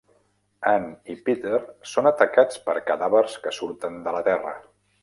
Anne i Peter són atacats per cadàvers que surten de la terra.